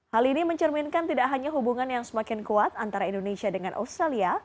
hal ini mencerminkan tidak hanya hubungan yang semakin kuat antara indonesia dengan australia